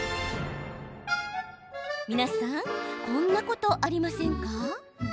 皆さんこんなことありませんか？